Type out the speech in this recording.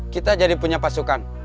kita jadi punya pasukan